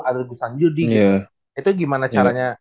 adel gusanjudi itu gimana caranya